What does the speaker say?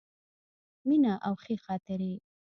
مینه او ښې خاطرې.